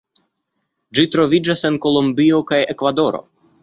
Ĝi troviĝas en Kolombio kaj Ekvadoro.